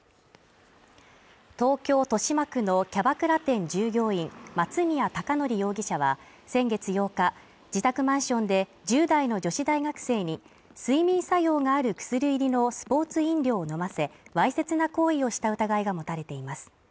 東京・豊島区のキャバクラ店従業員松宮貴紀容疑者は先月８日、自宅マンションで１０代の女子大学生に睡眠作用がある薬入りのスポーツ飲料を飲ませわいせつな行為をした疑いが持たれています